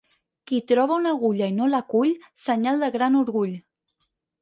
Qui troba una agulla i no la cull, senyal de gran orgull.